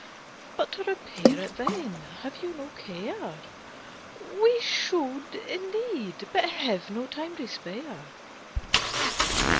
"But, to repair it, then, have you no care?" "We should, indeed, but have no time to spare."